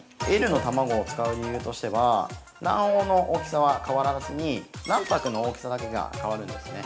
Ｌの卵を使う理由としては卵黄の大きさは変わらずに卵白の大きさだけが変わるんですね。